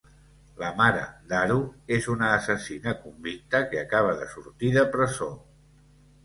La mare d'Haru és una assassina convicta que acaba de sortir de presó.